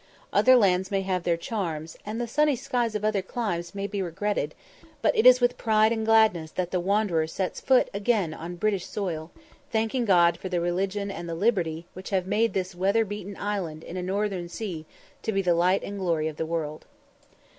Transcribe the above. Other lands may have their charms, and the sunny skies of other climes may be regretted, but it is with pride and gladness that the wanderer sets foot again on British soil, thanking God for the religion and the liberty which have made this weather beaten island in a northern sea to be the light and glory of the world.